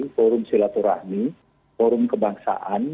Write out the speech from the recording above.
forum silaturahmi forum kebangsaan